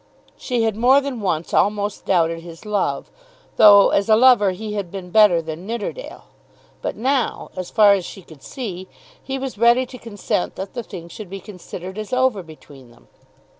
She had more than once almost doubted his love, though as a lover he had been better than Nidderdale. But now, as far as she could see, he was ready to consent that the thing should be considered as over between them.